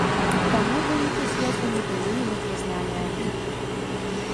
Таму вынікі з'езда не былі імі прызнаныя.